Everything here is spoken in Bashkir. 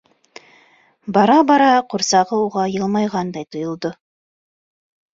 Бара-бара ҡурсағы уға йылмайғандай тойолдо.